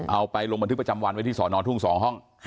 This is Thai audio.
เอาไปลงบันทึกประจำวันไว้ที่สอนอทุ่ง๒ห้อง